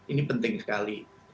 ini penting sekali